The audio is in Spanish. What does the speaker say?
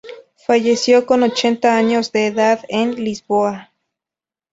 Falleció con ochenta años de edad, en Lisboa.